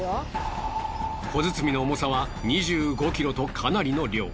小包の重さは２５ｋｇとかなりの量。